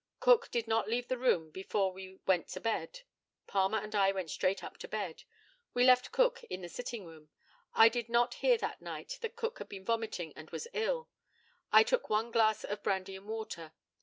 Cook did not leave the room before we went to bed. Palmer and I went straight up to bed. We left Cook in the sitting room. I did not hear that night that Cook had been vomiting and was ill. I took one glass of brandy and water.